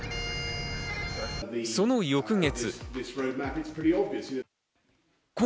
その翌月。